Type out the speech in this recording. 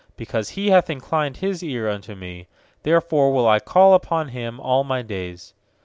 2Because He hath inclined His eai unto me, Therefore will I call upon Him all my days.